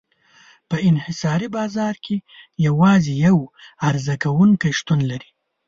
په انحصاري بازار کې یوازې یو عرضه کوونکی شتون لري.